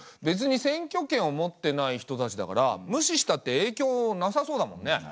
べつに選挙権を持ってない人たちだから無視したってえいきょうなさそうだもんね。